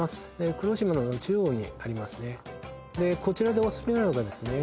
黒島の中央にありますねでこちらでおすすめなのがですね